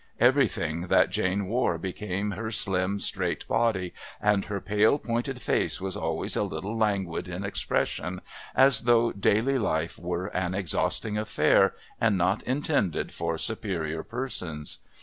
Everything that Jane wore became her slim straight body, and her pale pointed face was always a little languid in expression, as though daily life were an exhausting affair and not intended for superior persons.